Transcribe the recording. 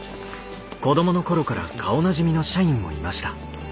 子供の頃から顔なじみの社員もいました。